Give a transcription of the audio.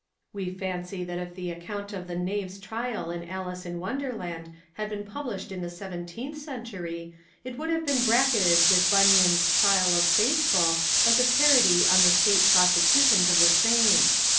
We fancy A Defence of Nonsense that if the account of the knave's trial in "Alice in Wonderland " had been published in the seventeenth century it would have been bracketed with Bunyan's "Trial of Faithful " as a parody on the State prose cutions of the time.